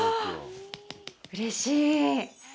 うれしい。